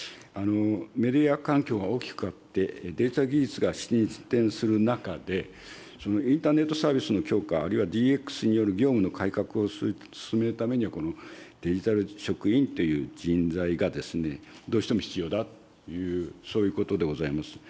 メディア環境が大きく変わって、デジタル技術が進展する中で、インターネットサービスの強化、あるいはＤＸによる業務の改革を進めるためには、このデジタル職員という人材がどうしても必要だという、そういうことでございます。